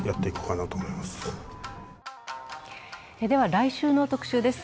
来週の特集です。